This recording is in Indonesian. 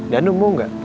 danu mau gak